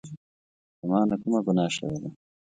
له مانه کومه ګناه شوي ده